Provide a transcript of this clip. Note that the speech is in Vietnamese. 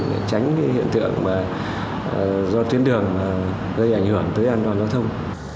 để tránh cái hiện tượng do tuyến đường gây ảnh hưởng tới an toàn giao thông